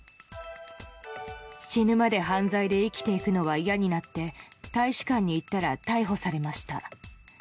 死ぬまで犯罪で生きていくのは嫌になって大使館に行ったら逮捕されました。